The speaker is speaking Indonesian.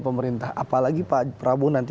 pemerintah apalagi pak prabowo nanti